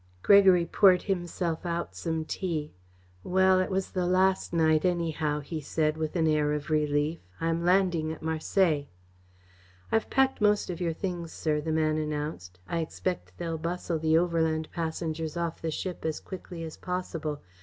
Gregory poured himself out some tea. "Well, it was the last night, anyhow," he said, with an air of relief. "I am landing at Marseilles." "I have packed most of your things, sir," the man announced. "I expect they'll bustle the overland passengers off the ship as quickly as possible.